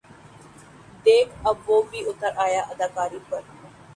دیکھ اب وہ بھی اُتر آیا اداکاری پر